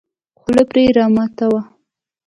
خوله پرې راماته وه.